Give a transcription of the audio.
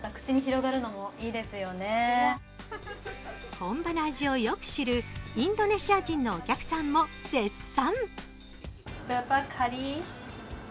本場の味をよく知るインドネシア人のお客さんも絶賛。